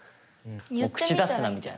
口出すなみたいな。